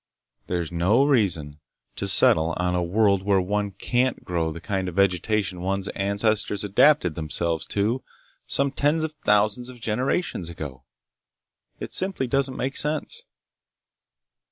There's no reason to settle on a world where one can't grow the kind of vegetation one's ancestors adapted themselves to some tens of thousands of generations ago. It simply doesn't make sense!